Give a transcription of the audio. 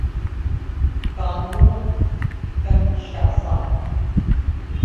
Congo - کنشاسا